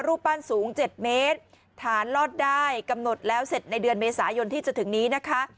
รูปปั้นสูง๗เมตรฐานลอดได้กำหนดแล้วเสร็จในเดือนเมษายนที่จะถึงนี้นะคะ